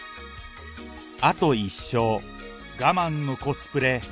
あと一勝我慢のコスプレ